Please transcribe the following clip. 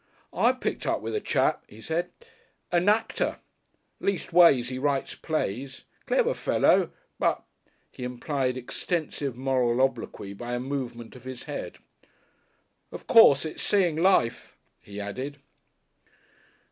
"I picked up with a chap," he said. "A Nacter. Leastways he writes plays. Clever fellow. But " He implied extensive moral obloquy by a movement of his head. "Of course it's seeing life," he added.